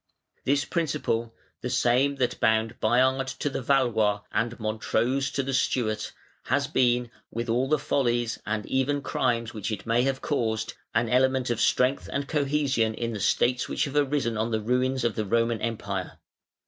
_ This principle, the same that bound Bayard to the Valois, and Montrose to the Stuart, has been, with all the follies and even crimes which it may have caused, an element of strength and cohesion in the states which have arisen on the ruins of the Roman Empire.